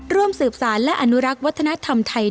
ร่วมสืบสารและอนุรักษ์วัฒนธรรมไทย